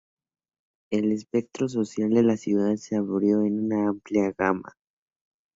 El espectro social de la ciudad se abrió en una amplia gama.